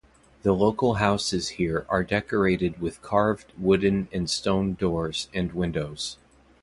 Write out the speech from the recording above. The local houses here are decorated with carved wooden and stone doors and windows.